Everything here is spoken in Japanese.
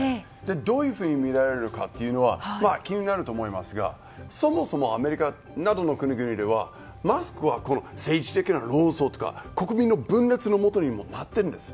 どういうふうに見られるかは気になると思いますがそもそもアメリカなどの国々ではマスクは政治的な論争とか国民の分裂のもとになっているんです。